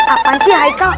apaan sih hai kau